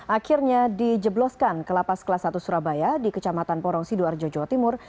akhirnya dijebloskan ke lapas kelas satu surabaya di kecamatan porong sidoarjo jawa timur